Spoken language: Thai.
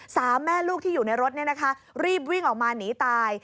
สามแม่ลูกที่อยู่ในรถรีบวิ่งออกมาหนีตาย